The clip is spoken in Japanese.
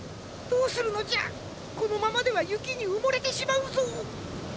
どうするのじゃこのままではゆきにうもれてしまうぞ。